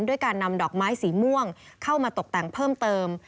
ด้วยการนำดอกไม้สีม่วงเข้ามาตกแต่งเพิ่มเติม